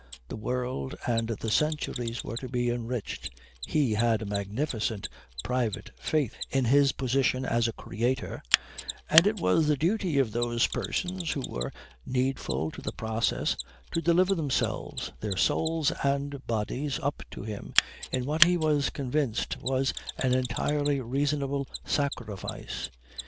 The world and the centuries were to be enriched he had a magnificent private faith in his position as a creator and it was the duty of those persons who were needful to the process to deliver themselves, their souls and bodies, up to him in what he was convinced was an entirely reasonable sacrifice.